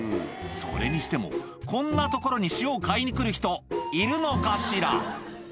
それにしてもこんな所に塩を買いに来る人いるのかしら？